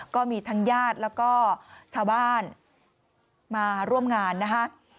ก็มีทั้งญาติแล้วก็ชาวบ้านมาร่วมงานนะคะ